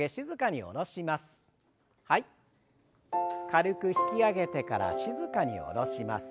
軽く引き上げてから静かに下ろします。